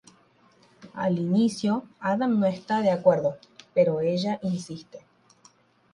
Al inició Adam no está de acuerdo pero ella insiste.